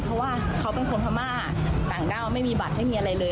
เพราะว่าเขาเป็นคนพม่าต่างด้าวไม่มีบัตรไม่มีอะไรเลย